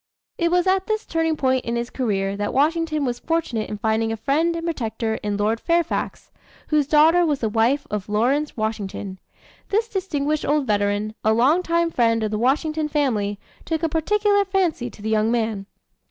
It was at this turning point in his career that Washington was fortunate in finding a friend and protector in Lord Fairfax, whose daughter was the wife of Lawrence Washington. This distinguished old veteran, a long time friend of the Washington family, took a particular fancy to the young man.